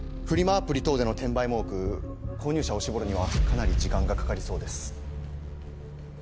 アプリ等での転売も多く購入者を絞るにはかなり時間がかかりそうです。